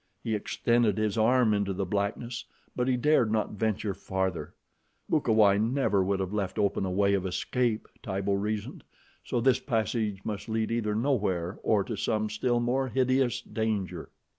He extended his arm into the blackness, but he dared not venture farther. Bukawai never would have left open a way of escape, Tibo reasoned, so this passage must lead either nowhere or to some still more hideous danger.